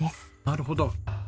なるほど。